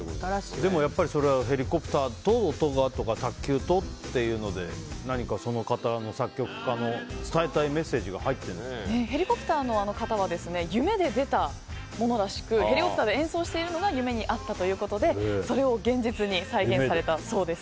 でも、ヘリコプターと音がとか卓球とっていうので何かその方の作曲家の伝えたいメッセージがヘリコプターの方は夢で出たものらしくヘリコプターで演奏しているのが夢にあったということでそれを現実に再現されたそうです。